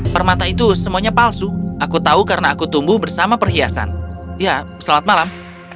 permata itu semuanya palsu aku tahu karena aku tumbuh bersama perhiasan ya selamat malam